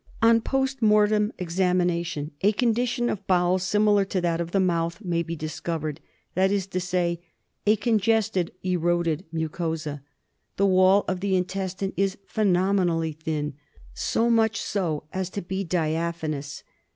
On post mortem examination a condition of bowel similar to that of the mouth may be discovered ; that is to say, a congested, eroded mucosa. The wall of the intestine is phenomenally thin, so much so as to be •diaphanous.